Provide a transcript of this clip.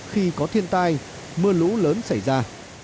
khi có thiên tai mưa lũ lớn xảy ra